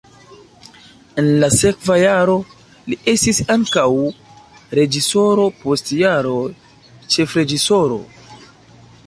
En la sekva jaro li estis ankaŭ reĝisoro, post jaroj ĉefreĝisoro.